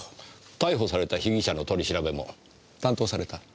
逮捕された被疑者の取り調べも担当された？